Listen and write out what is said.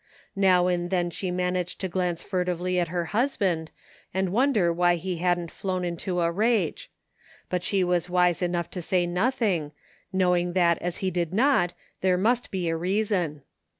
Now and then she managed to glance furtively at her husband and wonder why he hadn't flown into a rage ; but she was wise enough to say nothing, knowing that as he did not there must be a reason.